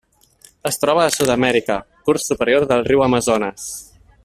Es troba a Sud-amèrica: curs superior del riu Amazones.